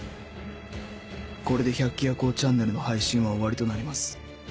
これで『百鬼夜行ちゃんねる』の配信は終わりとなります。